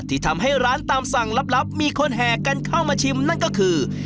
ที่ทำให้ร้านตามสั่งลับมีคนแห่กันเข้ามาชิมนั่นก็คือ